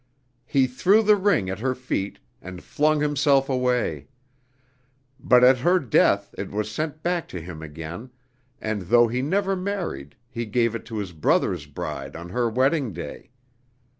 He threw the ring at her feet, and flung himself away; but at her death it was sent back to him again, and though he never married, he gave it to his brother's bride on her wedding day.